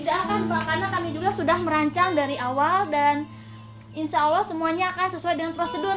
tidak kan pak karena kami juga sudah merancang dari awal dan insya allah semuanya akan sesuai dengan prosedur